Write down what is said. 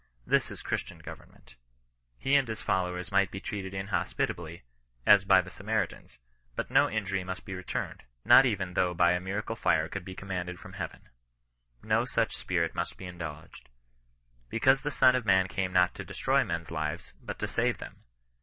This is Christian government. He and his followers might be treated inhospitably, as by the Sa maritans, but no injury must be returned — not even though by a miracle fire conld be commanded from heaven. Ko such spirit might be indulged. Because the Son of man came not to destroy men's lives, but to save them.